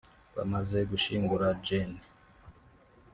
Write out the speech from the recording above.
Bamaze gushyingura Gen